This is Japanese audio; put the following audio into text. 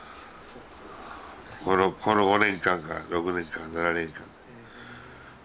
この５年間か６年間７年間。